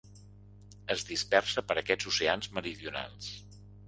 Es dispersa per aquests oceans meridionals.